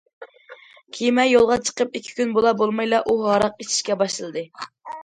كېمە يولغا چىقىپ ئىككى كۈن بولا- بولمايلا ئۇ ھاراق ئىچىشكە باشلىدى.